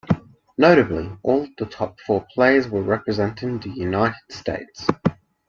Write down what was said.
Notably, all the top four players were representing the United States.